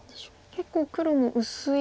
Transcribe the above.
結構黒も薄い。